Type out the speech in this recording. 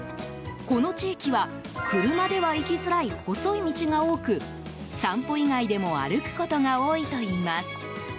この地域は車では行きづらい細い道が多く散歩以外でも歩くことが多いといいます。